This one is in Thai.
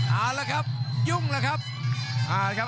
เอาละครับยุ่งแล้วครับ